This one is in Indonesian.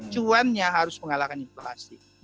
cuannya harus mengalahkan inflasi